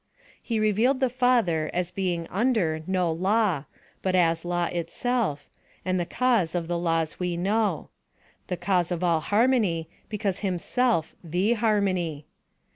He revealed the Father as being under no law, but as law itself, and the cause of the laws we know the cause of all harmony because himself the harmony.